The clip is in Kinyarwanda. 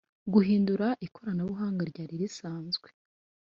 Guhindura ikoranabuhanga ryari risanzwe